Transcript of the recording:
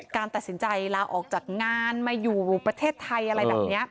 การตัดสินใจลาออกจากงานมาอยู่ประเทศไทยอะไรแบบนี้